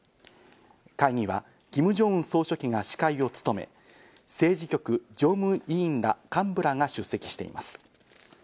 会議はキム・ジョンウン総書記が司会を務め、政治局常務委員ら幹部らが出席しています。